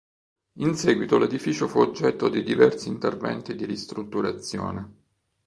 In seguito l'edificio fu oggetto di diversi interventi di ristrutturazione.